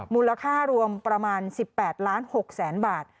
มูลค่ารวมประมาณ๑๘ล้าน๖แสนบาท